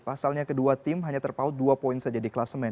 pasalnya kedua tim hanya terpaut dua poin saja di kelasemen